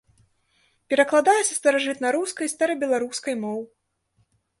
Перакладае са старажытнарускай і старабеларускай моў.